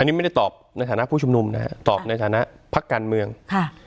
อันนี้ไม่ได้ตอบในฐานะผู้ชุมนุมนะฮะตอบในฐานะพักการเมืองค่ะ